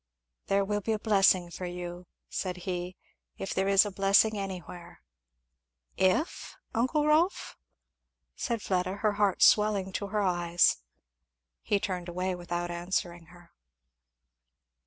"There will be a blessing for you," said he, "if there is a blessing anywhere!" "If, uncle Rolf?" said Fleda, her heart swelling to her eyes. He turned away without answering her.